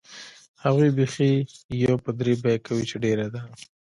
هغوی بیخي یو په درې بیه کوي چې ډېره ده.